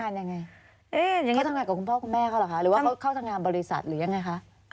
อย่างนี้เขาทำงานกับคุณพ่อคุณแม่เขาเหรอคะหรือว่าเขาเข้าทำงานบริษัทหรือยังไงคะ